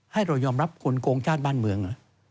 ให้เรายอมรับคนโกงชาติบ้านเมือง